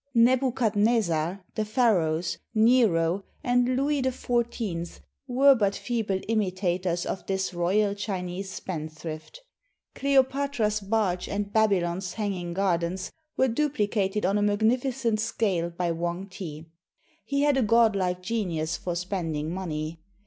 Nebuchadnezzar, the Pharaohs, Nero, and Louis XIV were but feeble imitators of this royal Chinese spend thrift. Cleopatra's barge and Babylon's hanging gar dens were duplicated on a magnificent scale by Wang ti. He had a godlike genius for spending money.